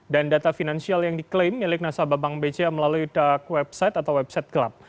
data finansial yang diklaim milik nasabah bank bca melalui website atau website glab